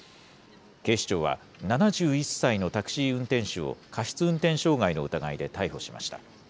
警視庁は、７１歳のタクシー運転手を過失運転傷害の疑いで逮捕しました。